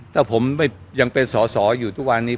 ถ้าผมยังเป็นสอสออยู่ทุกวันนี้